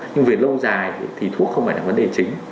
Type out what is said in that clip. nhưng về lâu dài thì thuốc không phải là vấn đề chính